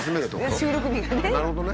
収録日がね。